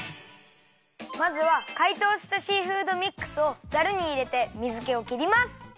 まずはかいとうしたシーフードミックスをザルにいれて水けをきります。